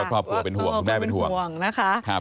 คุณแม่เป็นห่วงนะคะ